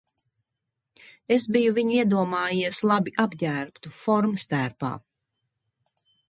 Es biju viņu iedomājies labi apģērbtu, formas tērpā.